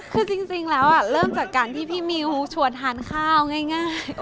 คือจริงแล้วเริ่มจากการที่พี่มิวชวนทานข้าวง่าย